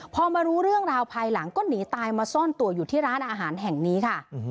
พอมารู้เรื่องราวภายหลังก็หนีตายมาซ่อนตัวอยู่ที่ร้านอาหารแห่งนี้ค่ะ